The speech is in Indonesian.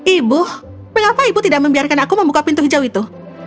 ibu mengapa ibu tidak membiarkan aku membuka pintu hijau itu